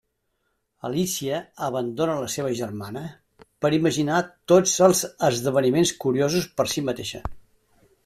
Alícia abandona la seva germana per imaginar tots els esdeveniments curiosos per si mateixa.